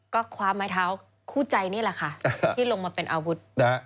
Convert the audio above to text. ก็คว้าไม้เท้าคู่ใจนี่แหละค่ะที่ลงมาเป็นอาวุธ